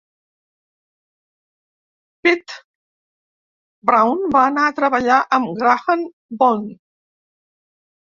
Pete Brown va anar a treballar amb Graham Bond.